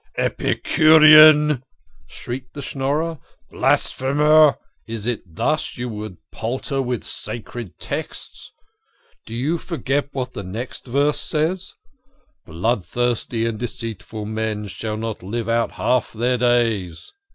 " Epicurean !" shrieked the Schnorrer. " Blasphemer ! Is it thus you would palter with the sacred texts ? Do you forget what the next verse says :' Bloodthirsty and deceitful men shall not live out half their days